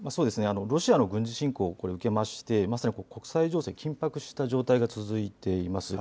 ロシアの軍事侵攻を受けましてまさに国際情勢は緊迫した状態が続いています。